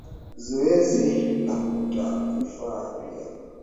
zoezi lakuta vifaa vya kukabiliana na kusaga kwa silaha kinyume cha sheria